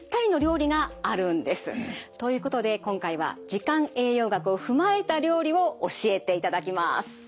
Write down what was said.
ということで今回は時間栄養学を踏まえた料理を教えていただきます。